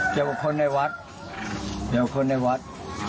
เจอคนในวัดเจอคนในวัด